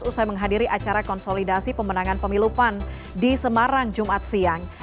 usai menghadiri acara konsolidasi pemenangan pemilu pan di semarang jumat siang